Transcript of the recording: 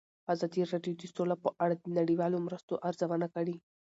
ازادي راډیو د سوله په اړه د نړیوالو مرستو ارزونه کړې.